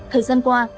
thời gian qua